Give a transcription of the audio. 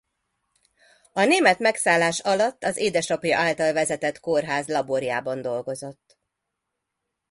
A német megszállás alatt az édesapja által vezetett kórház laborjában dolgozott.